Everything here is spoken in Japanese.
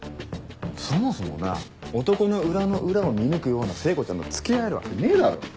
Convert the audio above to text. そもそもな男の裏の裏を見抜くような聖子ちゃんと付き合えるわけねえだろ。